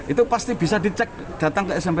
itu pasti bisa dicek datang ke smp tiga puluh dua